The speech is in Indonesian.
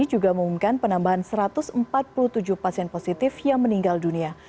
juga mengumumkan penambahan satu ratus empat puluh tujuh pasien positif yang meninggal dunia